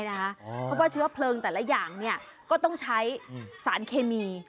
เพราะว่าเชื้อเพลิงแต่ละอย่างก็ต้องใช้สารเคมี